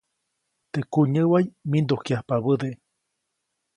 Teʼ kunyäʼway mindujkyajpabäde.